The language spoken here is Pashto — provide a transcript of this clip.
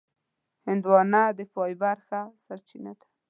هندوانه د فایبر ښه سرچینه ده.